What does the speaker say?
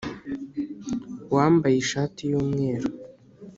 wambaye ishati yu mweru